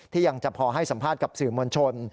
ยังจะพอให้สัมภาษณ์กับสื่อมวลชน